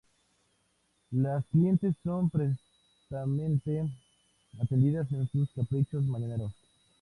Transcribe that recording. las clientes son prestamente atendidas en sus caprichos mañaneros